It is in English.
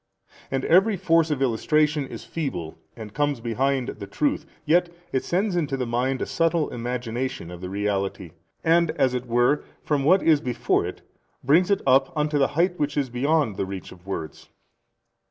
And every force of illustration is feeble and comes behind the truth, yet it sends into the mind a subtil imagination of the reality and as it were from what is before it, brings it up unto the height which is beyond the reach of words.